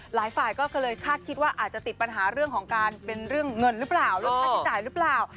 หลายฝ่ายก็เลยคาดคิดว่าอาจจะติดปัญหาเรื่องของการเป็นเรื่องเงินหรือเปล่าเรื่องค่าใช้จ่ายหรือเปล่า